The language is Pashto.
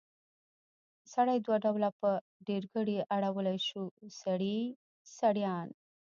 سړی دوه ډوله په ډېرګړي اړولی شو؛ سړي، سړيان.